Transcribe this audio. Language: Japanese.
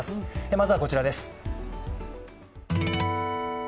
まずはこちらです。